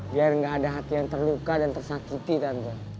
biar gak ada hati yang terluka dan tersakiti tante